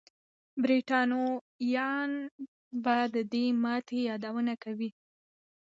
برتانويان به د دې ماتې یادونه کوي.